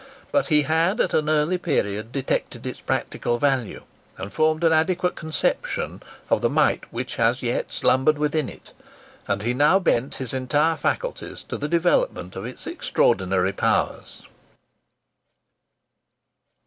But he had at an early period detected its practical value, and formed an adequate conception of the might which as yet slumbered within it; and he now bent his entire faculties to the development of its extraordinary powers.